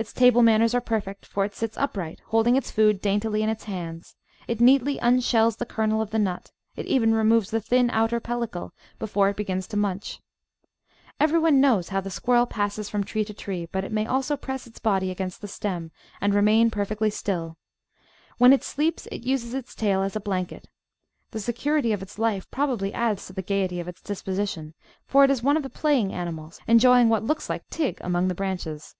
Its table manners are perfect, for it sits upright, holding its food daintily in its hands; it neatly unshells the kernel of the nut; it even removes the thin outer pellicle before it begins to munch. Everyone knows how the squirrel passes from tree to tree, but it may also press its body against the stem and remain perfectly still. When it sleeps it uses its tail as a blanket. The security of its life probably adds to the gaiety of its disposition, for it is one of the playing animals, enjoying what looks like 'tig" among the branches.